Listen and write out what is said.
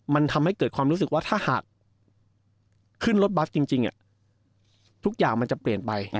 มันทำให้เกิดความรู้สึกว่าถ้าหากขึ้นรถบัสจริงทุกอย่างมันจะเปลี่ยนไป